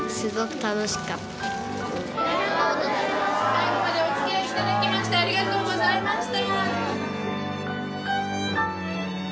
最後までおつきあい頂きましてありがとうございました。